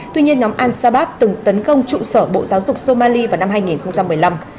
tuy nhiên nhóm al sabab từng tấn công trụ sở bộ giáo dục somali vào năm hai nghìn một mươi năm